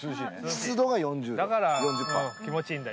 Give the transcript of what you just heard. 湿度が４０度だから気持ちいいんだ